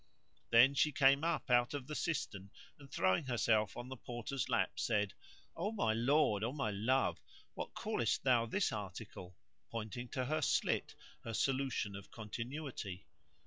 Then she came up out of the cistern and throwing herself on the Porter's lap said, "O my lord, O my love, what callest thou this article?" pointing to her slit, her solution of continuity.